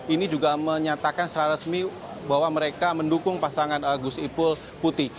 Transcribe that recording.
ini juga menyatakan secara resmi bahwa mereka mendukung pasangan gus ipul putih